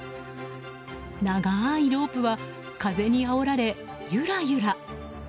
長いロープは風にあおられ、ゆらゆら。